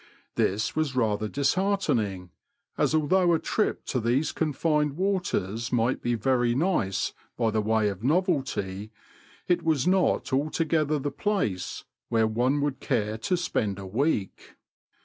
This was rather disheartening, as although a trip to these confined waters might be very nice by way of novelty, it was nob altogether the place where one would care to spend a week.